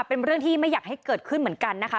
เป็นเรื่องที่ไม่อยากให้เกิดขึ้นเหมือนกันนะคะ